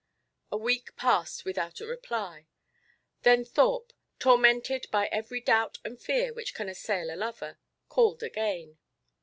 A week passed without a reply. Then Thorpe, tormented by every doubt and fear which can assail a lover, called again.